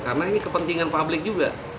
karena ini kepentingan publik juga